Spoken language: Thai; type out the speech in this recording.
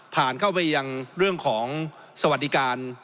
ผ่านเข้าไปยังเรื่องของสวัสดิการ